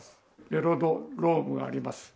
ベロドロームがあります。